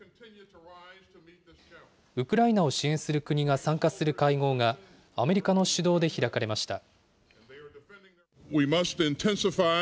ウクライナを支援する国が参加する会合が、アメリカの主導で開かれました。